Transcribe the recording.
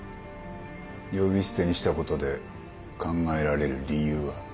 呼び捨てにしたことで考えられる理由は？